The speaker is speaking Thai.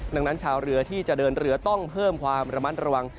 ดังนั้นชาวเรือที่จะเดินเรือต้องเพิ่มความระมัดระวัง